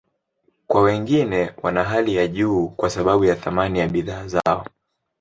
Kwa wengine, wana hali ya juu kwa sababu ya thamani ya bidhaa zao.